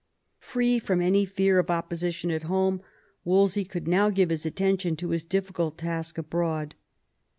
Free from any fear of opposition at home, Wolsey could now give his attention to his difficult task abroad.